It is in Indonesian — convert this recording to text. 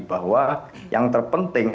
bahwa yang terpenting